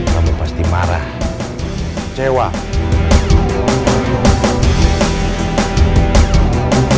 kamu pasti marah cewek